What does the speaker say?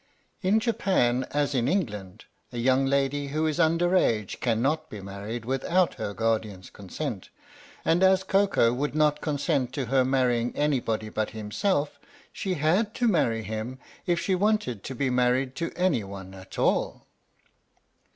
In Japan, as in England, a young lady who is under age cannot be married without her guardian's consent, and as Koko would not consent to her marrying anybody but himself, she had to marry him if she wanted to be married to anyone at all.